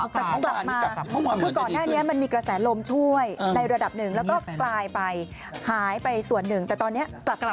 แต่เขากลับมาคือก่อนหน้านี้มันมีกระแสลมช่วยในระดับหนึ่งแล้วก็กลายไปหายไปส่วนหนึ่งแต่ตอนนี้กลับ